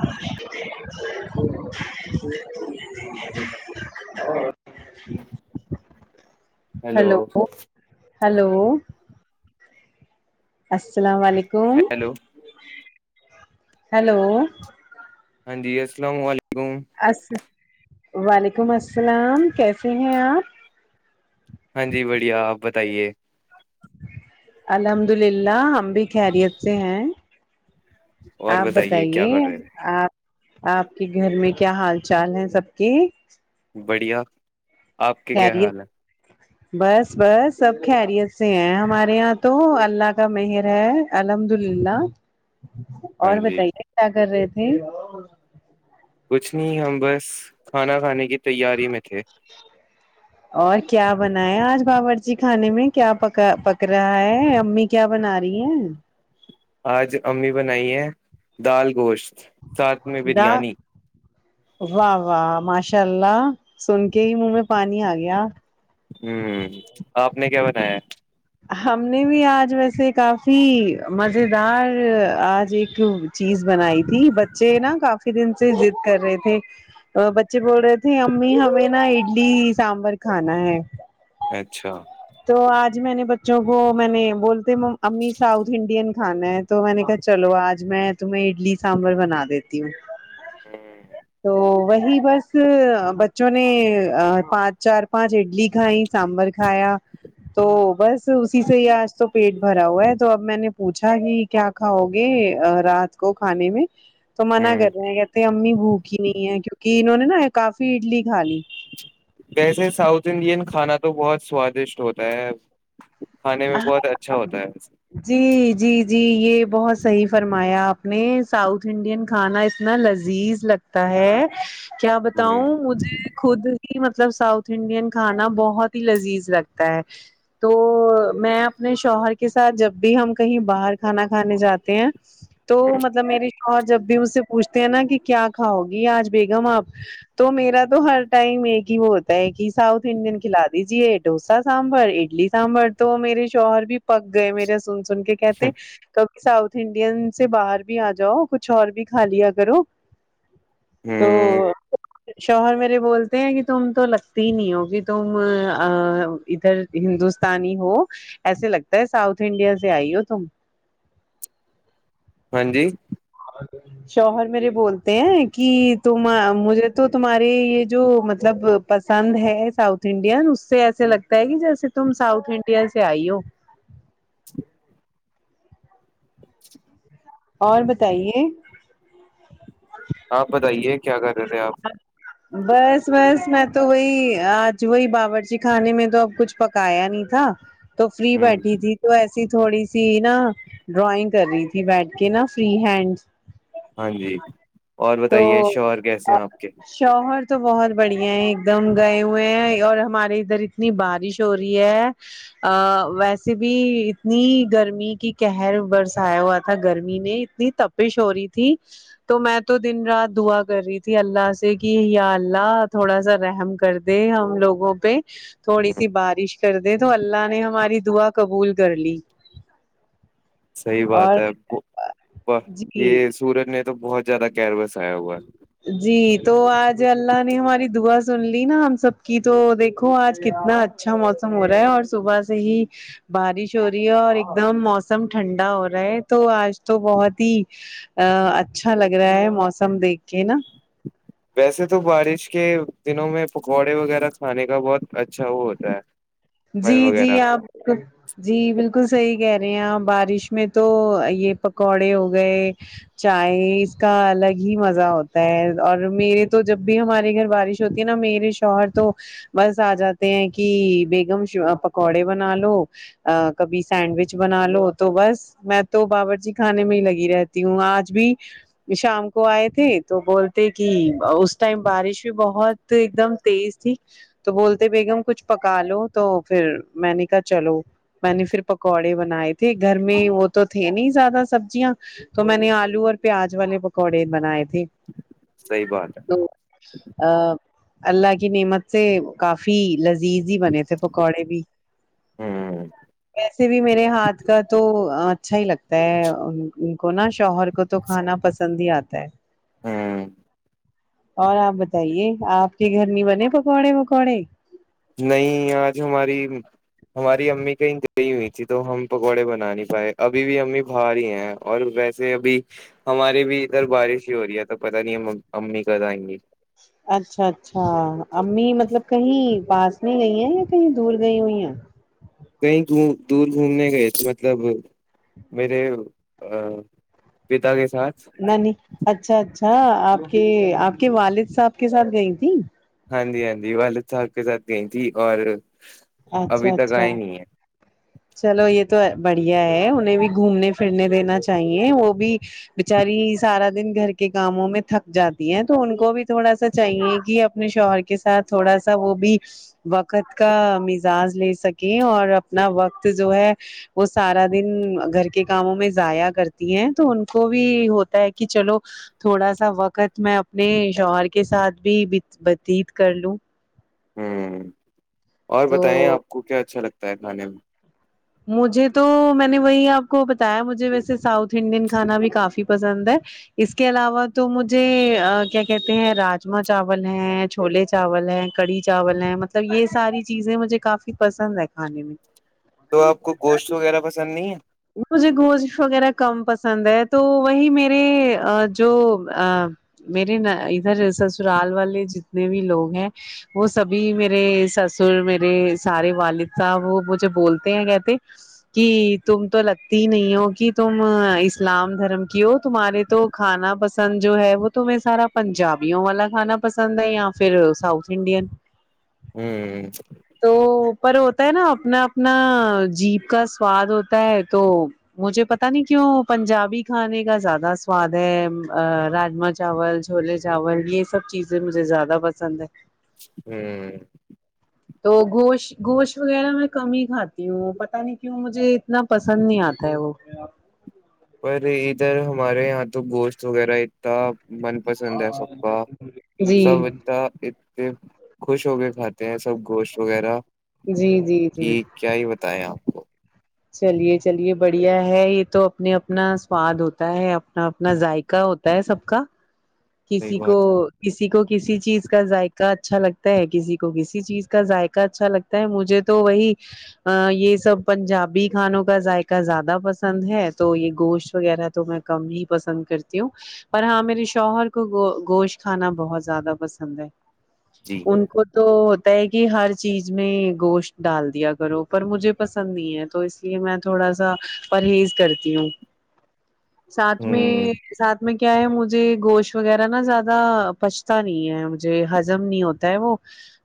اور hello hello hello السلام علیکم ہیلو ہیلو ہاں جی السلام علیکم وعلیکم السلام کیسے ہیں آپ ہاں جی بڑھیا آپ بتائیے الحمد للہ ہم بھی خیریت سے ہیں اور آپ کیا بتائیے کر رہے آپ آپ کے گھر میں کیا حال چال ہے سب کی بڑھیا آپ کے کیا خری حال ہے بس بس سب خیریت سے ہیں ہمارے یہاں تو اللہ کا مہر ہے الحمد للہ ہاں اور جی بتائیے کیا کر رہے تھے کچھ نہیں ہم بس کھانا کھانے کی تیاری میں تھے [inaudible] اور کیا بنا ہے آج باورچی خھانے میں کیاکا پک رہا ہے امی کیا بنا رہی ہیں آج امی بنائی ہے دال گوشت ساتھ میں دا بریانی واہ واہ ماشاء اللہ سن کے ہی منہ میں پانی آ گیا ہوں آپ نے کیا بنایا ہم نے بھی آج ویسے کافی مز دار آج ایک چیز بنائی تھی جی بچے نا کافی دن سے ضد کر رہے تھے بچے بول رہے تھے امی ہمیں نا اڈلی سانبر کھانا ہے اچھا تو آج میں نے ج وہ میں نے بولتے امی ساؤتھ انڈین کھانا ہے تو میں نے کہا چلو آج میں تو میں اڈلی سانبر بنا دیتی ہوں تو وہی بس بچوں نے پانچ چار پانچ اڈلی کھائی سانبر کھایا تو بس اسی سے ہی آج تو پیٹ بھرا ہوا ہے تو اب میں نے پوچھا کہ کیا کھاؤ گے رات کو کھانے میں تو ہ منع کر رہے ہیں کہتے امی بھوک نہیں ہے کیونکہ انہوں نے نا کافی اڈلی کھا لی ویسے ساؤتھ انڈین کھانا تو بہت سوادشٹ ہوتا ہے ا ہ جی جی جی یہ بہت صحیح فرمایا آپ نے ساؤتھ انڈین کھانا اتنا لذیذ لگتا ہے کیا بتاؤں مجھے خود ہی مطلب ساؤتھ انڈین کھانا بہت ہی لذیذ لگتا ہے تو میں اپنے شوہر کے ساتھ جب بھی ہم کہیں باہر کھانا کھانے جاتے ہیں تو مطلب میری شوہر جب بھی اس سے پوچھتے ہیں نا کہ کیا کاؤ گی آج بیگم آپ تو میرا تو ہر ٹائم مگی وہ ہوتا ہے کہ ساؤتھ انڈین کھلا دیجیے ڈوسا سانبر اڈلی سانبر تو میرے شوہر بھی پک گئے میرے سن سن کے کہتے ساؤتھ انڈین سے باہر بھی آ جاؤ کچھ اور بھی کھا لیا کرو تو ہ شوہر میرے بولتے ہیں کہ تم تو لگتی ہی نہیں ہو کہ تم ادھر ہندوستانی ہو ایسے لگتا ہے ساؤتھ انڈیا سے آئی ہو تم ہاں جی اور شوہر میرے بولتے ہیں کہ تم مجھے تو تمہارے یہ جو مطلب پسند ہے ساؤتھ انڈین اس سے ایسے لگتا ہے کہ جیسے تم ساؤتھ انڈین سے آئی ہو اور بتائیے آپ بتائیے کیا کر رہے آپ ا بس بس میں تو وہی آج وہی باورورچی خانے میں تو اب کچھ پکایا نہیں تھا تو فری ہوں بیٹھی تھی تو ایسی تھوڑی سی نا ڈرائنگ کر رہی تھی بیٹھ کے نا فری ہینڈ ہاں جی اور تو بتائیے شوہر کیسے ہیں آپ کے شوہر تو بہت بڑھیا ہے ایک دم گئے ہوئے ہیں اور ہمارے ادھر اتنی بارش چورور ہے ا ویسے بھی اتنی گرمی کی قہر برسایا ہوا تھا گرمی نے اتنی تپش ہو رہی تھی تو میں تو دن رات دعا کر رہی تھی ت اللہ سے کہ یا اللہ تھوڑا سا رحم کر دے ہم لوگوں پہ تھوڑی ہ سی بارش کر دیں تو اللہ نے ہماری دعا قبول کر لی صحیح بات اور ہے جی یہ سورج میں تو بہت زیادہ کیئروس آیا ہوا ہے جی تو آج اللہ نے ہماری دعا سن لی نا ہم سب کی تو دیکھو آج کتنا اچا اچھا موسم ہو رہا ہے اور صبح سے ہی بارش ہو رہی ہے اور ایک دم موسم ٹھنڈا ہو رہا ہے تو آج تو بہت ہی ا اچھا لگ رہا ہے موسم دیکھ کے نا ویسے تو بارش کے دنوں میں پکوڑے وغیرہ کھانے کا بہت اچھا وہ ہوتا ہے من جی جی وغیرہ آپ جی بالکل صحیح کہہ رہے ہیں بارش میں تو یہ پکوڑے ہو گئے چائے اس کا الگ ہی مزہ ہوتا ہے اور میرے تو جب بھی ہمارے گھر بارش ہوتی ہے نا میرے شوہر تو بس آ جاتے ہیں کہ ایک دم پکوڑے بنا لو کبھی سینڈوچ بنا لو تو بس میں تو باور جی خھانے میں ہی لگی رہتی ہوں آج بھی شام کو آئے تھے تو بولتے کہ اس ٹائم بارش بھی بہت تو ایک دم تیز تھی تو بولتے بیگم کچھ پکا لو تو پھر میں نے کہا چلو میں نے پھر پکوڑے بنائے تھے گھر میں وہ تو تھے نہیں زیادہ سبزیاں تو میں نے آلو اور پیاز والے پکوڑے بنائے تھے صحیح بات ہے ا اللہ کی نعمت سے کافی لذیذ ہی بنے تھے پکوڑے بھی ہوں سے بھی میرے ہاتھ کا تو اچھا ہی لگتا ہے ان کو نا شوہر کو تو کھانا پسند ہی آتا ہے ہوں اور آپ بتائیے آپ کے گھر میں بنے پکوڑے وکوڑے نہیں آج ہماری ہماری امی کہیں گی ہوئی تھی تو ہم پکوڑے بنا نہیں پائے ابھی بھی امی باہاری ہی ہیں اور ویسے ابھی ہماری بھی ادھر بارش ہی ہو رہی ہے تو پت نہیں امی کد آئیں گی اچھا اچھا امی مطلب کہیں پاس میں گئی ہیں یا کہیں دور گئی ہوئی ہیں کہیں دور گھومنے گئے تھے مطلب میرے پتا کے ساتھ نہ نہیں اچھا اچھا آپ کے آپ کے والد صاحب کے ساتھ گئی تھی ہاں جی ہاں جی وال تھک کے سات گئی تھی اور ابھی اچھا تک اچھا آئے نہیں ہیں چلو یہ تو بڑھیا ہے انہیں بھی گھومنے پھرنے دینا چاہیے وہ بھی بچاری سارا دن گھر کے کاموں میں تھک جات ہیں تو ان کو بھی تھوڑا سا چاہیے کہ اپنے شوہر کے ساتھ تھوڑا سا وہ بھی وقت کا اعزاز لے سکیں اور اپنا وقت جو ہے وہ سارا دن گھر کے کاموں میں ضایا کرتی ہیں تو ان کو بھی ہوتا ہے کہ چلو تھوڑا سا وقت میں اپنے شوہر کے ساتھ بھی بتیت کر لوں ہوں اور تو بتائیں آپ کو کیا اچھا لگتا ہے کھانے میں مجھے تو میں نے وہی آپ کو بتایا مجھے ویسے ساؤتھ انڈین کھانا بھی کافی پسند ہے اس کے علاوہ تو مجھے کیا کہتے ہیں راجما چاول ہے چھولے چاول ہے کڑھی چاول ہے مطلب یہ ساری چیزیں مجھے کافی پسند ہے کھانے میں تو آپ کو گوشت وغیرہ پسند نہیں ہے مجھے گوش وغیرہ کم پسند ہے تو وہی میرے جو میرے ن ادھر سسرال والے جتنے بھی لوگ ہیں وہ سبھی میرے سسر میرے سارے والد صاحب وہ مجھے بولتے ہیں کہ [inaudible] کہ تم تو لگتی ہی نہیں ہو کہ تم اسلام دھرم کی ہو تمہارے تو کھانا پسند جو ہے وہ تو میں سارا پنجابیوں والا کھانا پسند ہے پھر ساؤت انڈین ہوں تو پر ہوتا ہے نا اپنا اپنا جیب کا سواد ہوتا ہے تو مجھے پتا نہیں کیوں پنجابی کھانے کا زیادہ سواد ہے راجما چاول چھولے چاول یہ سب چیزیں مجھے زیادہ پسند ہے [inaudible] تو گوشت گوشت وغیرہ میں کم ہی کھاتی ہوں پ نہیں کیوں مجھے اتنا پسند نہیں آتا ہے وہ پر ادھر ہمارے یہاں تو گوشت وغیرہ اتنان پسند ہے سب کا جی سب ت انے خوش ہو کے کھاتے ہیں سب گوشت وغیرہ جی جی جی کہ کیا ہی بتیں آپ کو چلیے چلیے بڑھیا ہے یہ تو اپنے اپنا سواد ہوتا ہے اپنا اپنا ذائقہ ہوتا تا ہے سب کا صحیح کسی کو بات ہے کسی کو کسی چیز کا ذائقہ اچھا لگتا ہے کسی کو کسی چیز کا ذائقہ اچھا لگتا مجھے تو وہی یہ سب پنجاب ابھی کھانوں کا ذائقہ زیادہ پسند ہے تو یہ گوشت وغیرہ تو میں کم ہی پسند کرتی ہوں پر ہاں میرے شوہر کو گوشت کھانا بہت زیادہ پسند ہے جی ان کو تو ہوتا ہے کہ ہر چیز میں گوشت ڈال دیا کرو پر مجھے پسند نہیں ہے تو اس لیے میں تھوڑا سا پرہیز کرتی ہوں ساتھ میں ہ ساتھ میں کیا ہے مجھے گوشت وغیرہ نا زیادہ پچتا نہیں ہے مجھے ہضم نہیں ہوتا وہ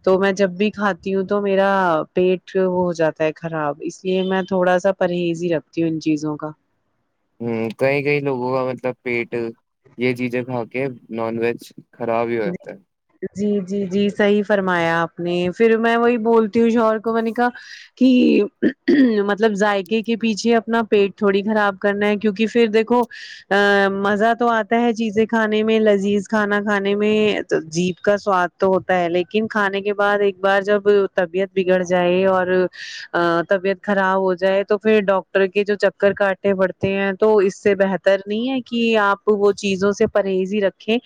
تو میں جب بھی کھاتی ہوں تو میرا پیٹ وہ ہو جاتا ہے خراب اس یہ میں تھوڑا سا پرہیزی رکھتی ہوں ان چیزوں کا ہ کئی کئی لوگوں کا مطلب پیٹ یہ چیزیں کھا کے نان ویج خراب ہی ہو جاتا ہے جی جی جی صحیح فرمایا آپ نے پھر میں وہی بولتی ہوں شہر کو میں نے کہا کہ مطلب ذائقے کے پیچھے اپنا پیٹ تھوڑی خراب کرنا ہے کیونکہ پھر دیکھو ا مزہ تو آتا ہے چیزیں کھانے میں لذیذ کھانا کھانے جیپ کا سواد تو ہوتا ہے لیکن کھانے کے بعد ایک بار جب طبیعت بگڑ جائے اور طبیعت خراب ہو جائے تو پھر ڈاکٹر کے جو چکر کاٹے پڑتے ہیں تو اس سے بہتر بتر نہیں ہے کہ آپ وہ چیزوں سے پرہیز ہی رکھیں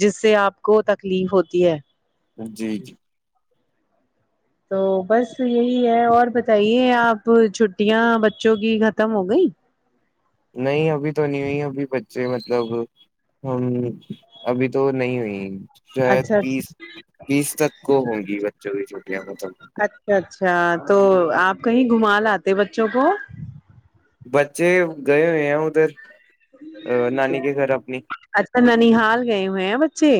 جس سے آپ کو تکلیف ہوتی ہے جی جی تو بس یہی ہے اور بتائیے آپ چھٹیاں بچوں کی ختم ہو گئی نہیں ابھی تو نہیں ہوئی ابھی بچے مطلب ہم ابھی تو نہیں ہوئی شاید اچھا اچھا بیس بیس تک کو ہوں گی بچوں کی چھٹیاں ہو توب اچ اچھا تو آپ کہیں گھما لے بچوں کو بچے گئے ہوئے ہیں ادھر نانی کے گھر اپنی اچھا ننال گئے ہوئے ہیں بچے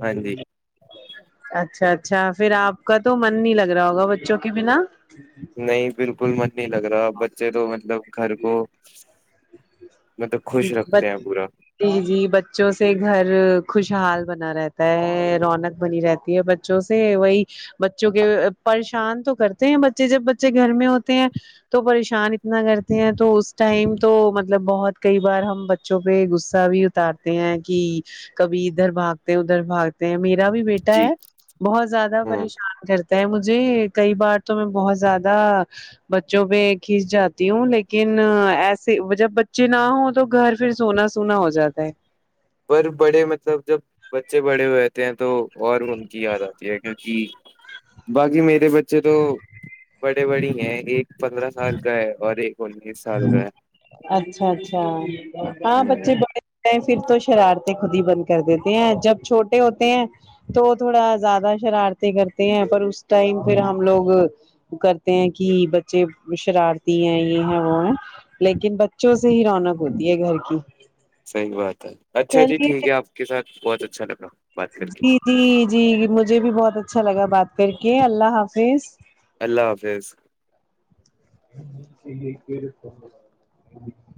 ہاں جی اچھا اچھا پھر آپ کا تو من نہیں لگ رہا ہوگا بچوں کے بنا نہیں بالکل من نہیں لگ رہا بچے تو مطلب گھر کو مطلب خوش رکھتے ہیں بتی پورا جی جی بچوں سے گھر خوشحال بنا رہتا ہے رونق بنی رہتی ہے بوں سے وہی بچوں کے پریشان تو کرتے ہیں بچے جب بچے گھر میں ہوتے ہیں تو پریشان اتنا کرتے ہیں تو اس ٹائم تو مطلب بہت کئی بار ہم بچوں پہ غصہ بھی اتارتے ہیں کہ کبھی ادھر بھاگتے ادھر بھاگ میرا بھی بیٹا جی ہے بہت زیادہ ہ پریشان کرتا مجھے کئی بار تو میں بہت زیادہ بچوں پہ کھینچ جاتی ہوں لیکن ایسے جب بچ چنا ہو تو گھر پھر سونا سونا ہو جاتا ہے پر بڑے مطلب جب بچے بڑے ہوئے رہتے ہیں تو اور ان کی یاد آتی ہے کیکہ ج باقی میرے بچے تو بڑے بڑی ہیں ایک پندرہ سال کا ہے اور ایک انیس سال کا ہے اچھا اچھا ہاں ہ بچے بڑے پھر تو شرارتیں خود ہی بند کر دیتے ہیں جب چھوٹے ہوتے ہیں تو تھوڑا زیادہ شرارتیں کرتے ہیں پر اس ٹائم پھر ہم لوگ کرتے ہیں کہ بچے شرارتی ہیں یہ وہ ہیں لیکن بچوں سے ہی رونق ہوتی ہے گھر کی صحیح بات ہے اچھا جی چلیے ٹھیک ہے آپ کے ساتھ بہت اچھا لگا بات کر کے جی جی جی مجھے بھی بہت اچھا لگا بات کر کے اللہ حافظ اللہ حافظ [inaudible]